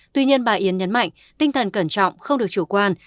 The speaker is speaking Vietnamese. tuy nhiên bà yến nhấn mạnh tinh thần cẩn trọng không được chủ quan